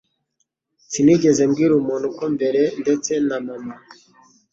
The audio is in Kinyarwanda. Sinigeze mbwira umuntu ko mbere, ndetse na mama.